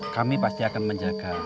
kami pasti akan menjaga